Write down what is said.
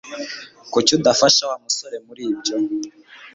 Kuki udafasha Wa musore muri ibyo